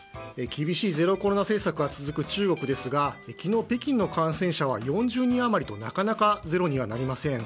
厳しいゼロコロナ政策が続く中国ですが昨日北京の感染者は４０人余りとなかなかゼロにはなりません。